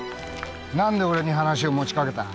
何で俺に話を持ちかけた？